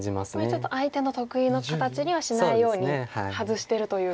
ちょっと相手の得意の形にはしないように外してるという。